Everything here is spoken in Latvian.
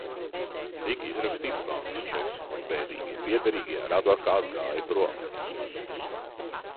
"Tika izrakstīts bankas čeks un "bēdīgie" piederīgie ar advokātu gāja prom."